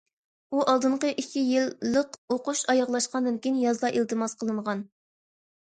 ئۇ ئالدىنقى ئىككى يىللىق ئوقۇش ئاياغلاشقاندىن كېيىن يازدا ئىلتىماس قىلىنغان.